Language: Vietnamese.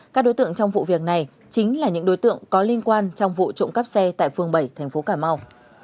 các đối tượng trong vụ việc này chính là những đối tượng có liên quan trong vụ trộm cắp xe tại phường bảy thành phố cà mau